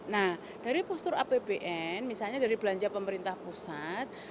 nah dari postur apbn misalnya dari belanja pemerintah pusat